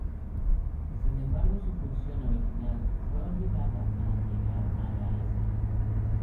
Sin embargo su función original fue olvidada al llegar a la isla.